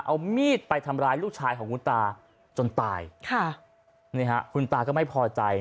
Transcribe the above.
เอามีดไปทำร้ายลูกชายของคุณตาจนตายค่ะนี่ฮะคุณตาก็ไม่พอใจ